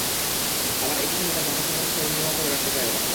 আবার একই সঙ্গে তাঁর ঢাকা সফর স্মরণীয়ও করে রাখতে চায় ওরা।